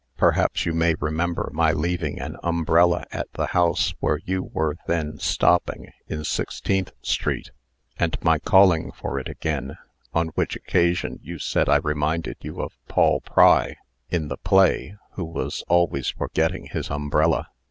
Perhaps you may remember my leaving an umbrella at the house where you were then stopping, in Sixteenth street, and my calling for it again, on which occasion you said I reminded you of Paul Pry, in the play, who was always forgetting his umbrella."